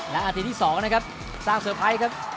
และนาทีที่๒นะครับสร้างเซอร์ไพรส์ครับ